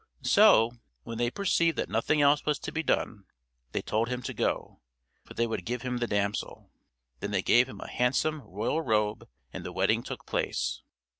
So, when they perceived that nothing else was to be done, they told him to go, for they would give him the damsel. Then they gave him a handsome royal robe, and the wedding took place.